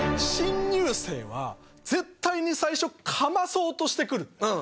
新入生は絶対に最初かまそうとしてくる。